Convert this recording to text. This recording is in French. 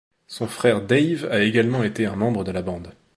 Son frère Dave a également été un membre de la bande.